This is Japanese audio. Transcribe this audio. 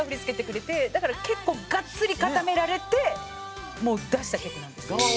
だから結構がっつり固められて出した曲なんです。